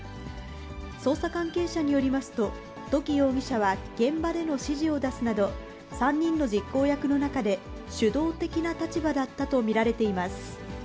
捜査関係者によりますと、土岐容疑者は現場での指示を出すなど、３人の実行役の中で、主導的な立場だったと見られています。